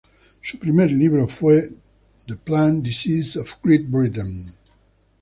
Su primer libro fue: ""The Plant Diseases of Great Britain".